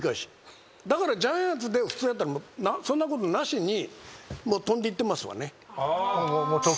だからジャイアンツで普通やったらそんなことなしに飛んでいってますわね。